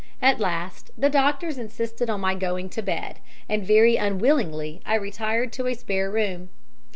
At last the doctors insisted on my going to bed; and very unwillingly I retired to a spare room.